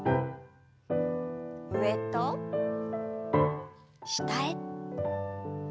上と下へ。